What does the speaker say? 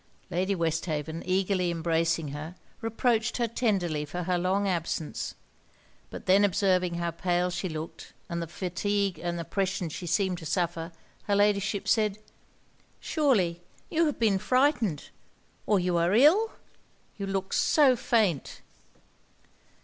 Lady Westhaven eagerly embracing her, reproached her tenderly for her long absence. But then observing how pale she looked, and the fatigue and oppression she seemed to suffer, her Ladyship said 'Surely you have been frightened or you are ill? You look so faint!'